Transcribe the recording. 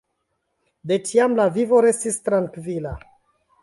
De tiam lia vivo restis trankvila.